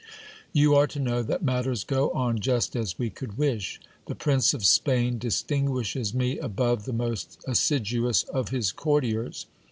You are to know that matters go on just as we could wish. The Prince of Spain distinguishes me above the most assiduous of his courtiers.